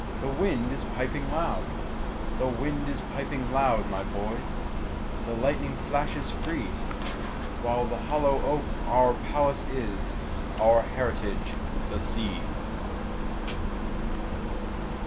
The wind is piping loud; The wind is piping loud, my boys, The lightning flashes free—While the hollow oak our palace is, Our heritage the sea.